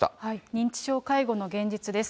認知症介護の現実です。